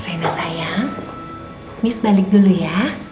reina sayang miss balik dulu ya